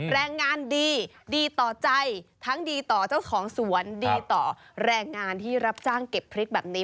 แรงงานดีดีต่อใจทั้งดีต่อเจ้าของสวนดีต่อแรงงานที่รับจ้างเก็บพริกแบบนี้